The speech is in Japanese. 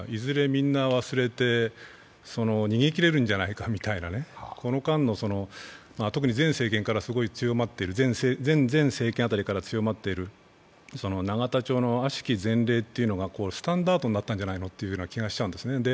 みんな忘れて逃げきれるんじゃないかみたいなね、この間の前政権辺りから強まっている永田町の悪しき前例というのがスタンダードになったんじゃないのという気がしてるんですね。